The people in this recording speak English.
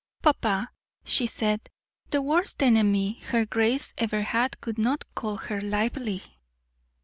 "Papa," she said, "the worst enemy her grace ever had could not call her lively."